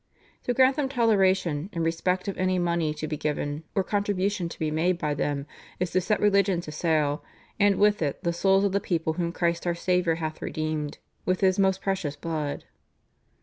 To grant them toleration, in respect of any money to be given, or contribution to be made by them, is to set religion to sale, and with it, the souls of the people, whom Christ our Saviour hath redeemed with His most precious blood."